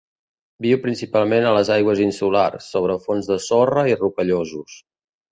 Viu principalment a les aigües insulars, sobre fons de sorra i rocallosos.